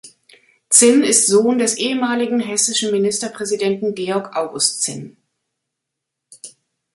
Zinn ist Sohn des ehemaligen hessischen Ministerpräsidenten Georg-August Zinn.